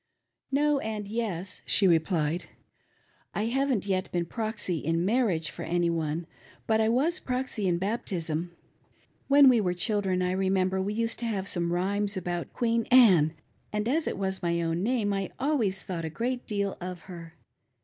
" No, and yes," she replied, " I haven't yet been proxy in marriage for any one, but I was proxy in baptism. When we were children I remember we used to have some rhymes abbilt Queen Anne, and as it was my own name I always thought'a great deal of her.